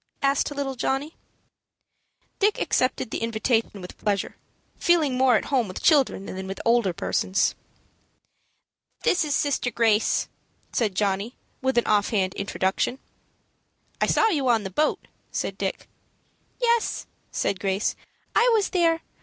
asked little Johnny. Dick accepted the invitation with pleasure, feeling more at home with children than with older persons. "This is sister Grace," said Johnny, with an offhand introduction. "I saw you on the boat," said Dick. "Yes," said Grace, "I was there.